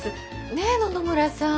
ねえ野々村さん。